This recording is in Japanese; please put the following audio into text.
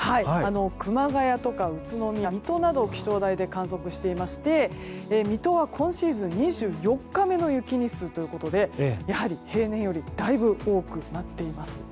熊谷とか宇都宮、水戸などの気象台で観測していまして水戸は今シーズン２４日目の雪日数ということでやはり平年より多くなっています。